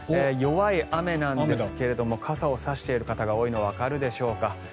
弱い雨なんですが傘を差している方が多いのがわかるでしょうか。